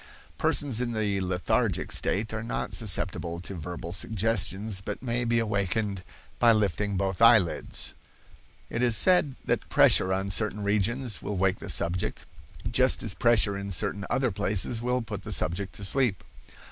Persons in the lethargic state are not susceptible to verbal suggestions, but may be awakened by lifting both eyelids. It is said that pressure on certain regions will wake the subject, just as pressure in certain other places will put the subject to sleep.